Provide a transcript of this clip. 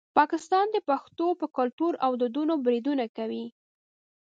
پاکستان د پښتنو په کلتور او دودونو بریدونه کوي.